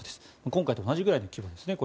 今回と同じぐらいの規模ですね。